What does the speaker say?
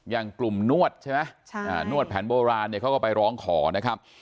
อย่างกลุ่มนวดใช่ไหมนวดแผนโบราณเนี่ยเขาก็ไปร้องขอนะครับ